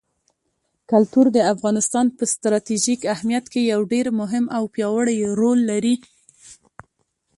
کلتور د افغانستان په ستراتیژیک اهمیت کې یو ډېر مهم او پیاوړی رول لري.